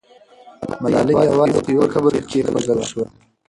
ملالۍ یوازې په یو قبر کې کښېښودل سوه.